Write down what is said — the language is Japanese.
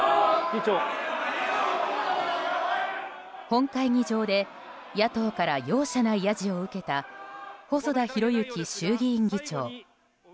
本会議場で野党から容赦ないやじを受けた細田博之衆議院議長。